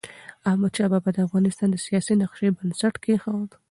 احمدشاه بابا د افغانستان د سیاسی نقشې بنسټ کيښود.